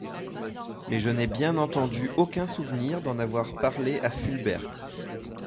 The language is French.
Mais je n'ai bien entendu aucun souvenir d'en avoir parlé à Fulbert.